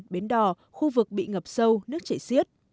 bến đò khu vực bị ngập sâu nước chảy xiết